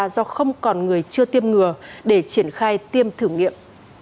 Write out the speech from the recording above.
do không còn người chưa tiêm ngừa để triển khai tiêm thử nghiệm